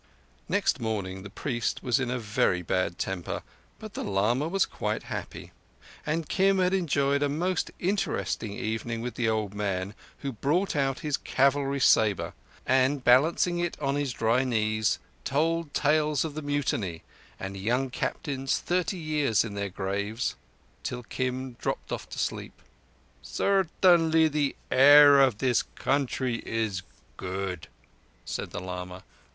Next morning the priest was in a very bad temper, but the lama was quite happy; and Kim had enjoyed a most interesting evening with the old man, who brought out his cavalry sabre and, balancing it on his dry knees, told tales of the Mutiny and young captains thirty years in their graves, till Kim dropped off to sleep. "Certainly the air of this country is good," said the lama.